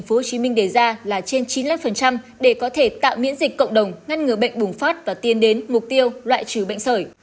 tp hcm đề ra là trên chín mươi năm để có thể tạo miễn dịch cộng đồng ngăn ngừa bệnh bùng phát và tiên đến mục tiêu loại trừ bệnh sởi